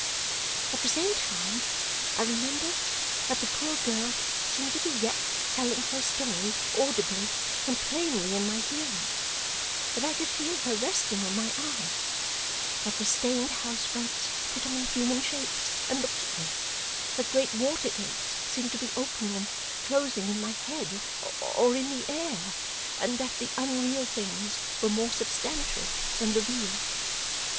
At the same time I remember that the poor girl seemed to be yet telling her story audibly and plainly in my hearing, that I could feel her resting on my arm, that the stained house fronts put on human shapes and looked at me, that great water gates seemed to be opening and closing in my head or in the air, and that the unreal things were more substantial than the real.